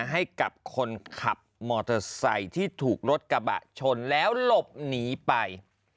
ให้กับคนขับมอเตอร์ไซค์ที่ถูกรถกระบะชนแล้วหลบหนีไป